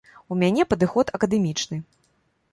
У мяне падыход акадэмічны.